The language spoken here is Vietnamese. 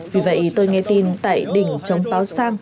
vì vậy tôi nghe tin tại đỉnh chống báo sang